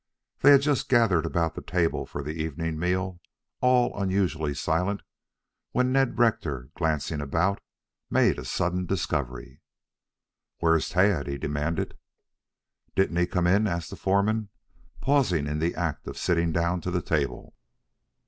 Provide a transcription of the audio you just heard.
They had just gathered about the table for the evening meal, all unusually silent, when Ned Rector, glancing about, made a sudden discovery. "Where's Tad?" he demanded. "Didn't he come in?" asked the foreman, pausing in the act of sitting down to the table.